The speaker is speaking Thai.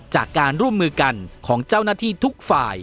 จากการร่วมมือกันของเจ้าหน้าที่ทุกฝ่าย